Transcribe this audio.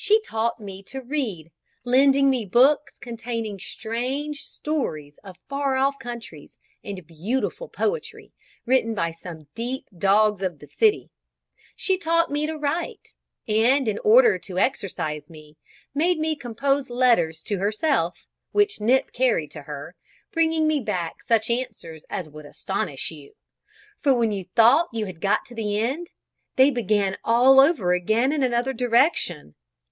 She taught me to read, lending me books containing strange stories of far off countries, and beautiful poetry, written by some deep dogs of the city; she taught me to write; and in order to exercise me, made me compose letters to herself, which Nip carried to her, bringing me back such answers as would astonish you; for when you thought you had got to the end, they began all over again in another direction.